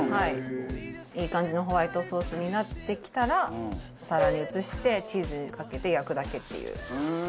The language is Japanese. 「いい感じのホワイトソースになってきたらお皿に移してチーズかけて焼くだけっていう」